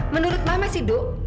menurut mama si do